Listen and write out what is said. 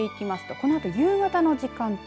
このあと夕方の時間帯